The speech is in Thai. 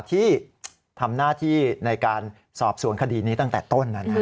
ที่ทำน่าที่ในการสอบสวนคดีนี้ตั้งแต่ต้นนั้นนะครับ